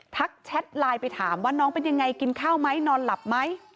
แชทไลน์ไปถามว่าน้องเป็นยังไงกินข้าวไหมนอนหลับไหม